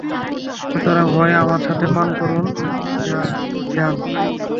সুতরাং, হয় আমার সাথে পান করুন বা যান।